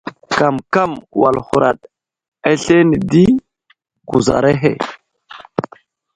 Kamkam wal huraɗ aslane di kuzar ahe.